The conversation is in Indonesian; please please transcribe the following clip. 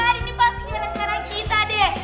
tuh kan ini pasti jalan jalan kita deh